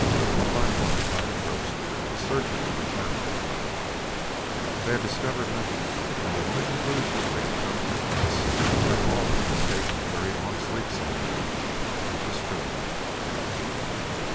One by one as night approached the searchers returned to the hut. They had discovered nothing, and the only conclusion they could come to was, that Baldy was taking a very long sleep somewhere which was true enough.